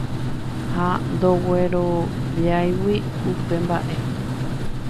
ha ndogueroviáigui upe mba'e